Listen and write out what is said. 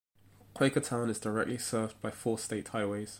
Quakertown is directly served by four state highways.